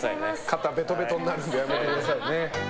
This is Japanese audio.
肩、ベトベトになるのでやめてくださいね。